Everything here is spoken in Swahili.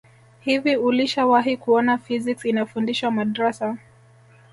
hivi ulishawahi kuona physics inafundishwa madrasa